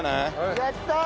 やったー！